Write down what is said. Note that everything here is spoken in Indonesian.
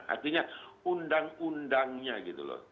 artinya undang undangnya gitu loh